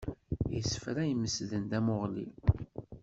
Isefra imesden tamuɣli.